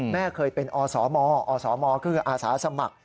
แม่เคยเป็นอสมอสมคืออาสาสมัคร